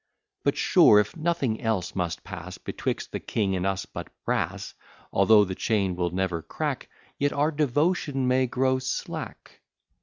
But sure, if nothing else must pass Betwixt the king and us but brass, Although the chain will never crack, Yet our devotion may grow slack.